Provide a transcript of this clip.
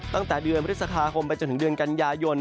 ตั้งแต่เดือนพฤษภาคมไปจนถึงเดือนกันยายน